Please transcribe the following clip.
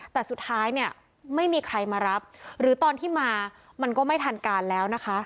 แต่สุดท้ายเนี่ยไม่มีใครมารับหรือตอนที่มามันก็ไม่ทันการแล้วนะคะ